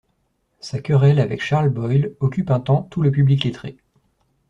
Sa querelle avec Charles Boyle occupe un temps tout le public lettré.